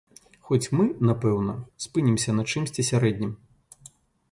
Хоць мы, напэўна, спынімся на чымсьці сярэднім.